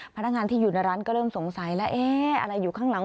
พนักงานที่อยู่ในร้านก็เริ่มสงสัยแล้วเอ๊ะอะไรอยู่ข้างหลัง